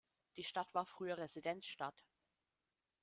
Die Stadt war früher Residenzstadt.